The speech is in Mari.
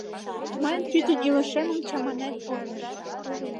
Мыйын пӱтынь илышемым чаманен ойлыш.